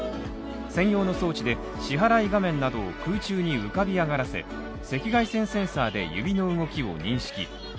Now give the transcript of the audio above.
専用の装置で支払い画面などを空中に浮かび上がらせ赤外線センサーで指の動きを認識。